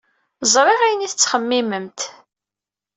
Ẓriɣ ayen ay tettxemmimemt.